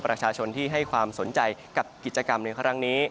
ประชาชนที่ให้ความสนใจกับกิจกรรมในครั้งนี้